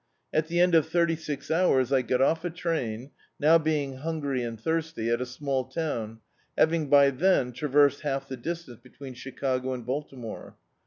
At the end of thirty six hours I got off a train, now being hungry and thirsty, at a small town, having by then traversed half the distance between Chicago and Baltimore.